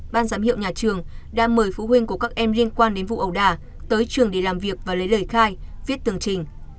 ban giám hiệu nhà trường đã mời phụ huynh của các em liên quan đến vụ ẩu đà tới trường để làm việc và lấy lời khai viết tường trình